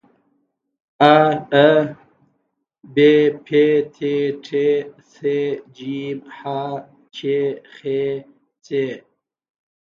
آا ب پ ت ټ ث ج ح چ خ څ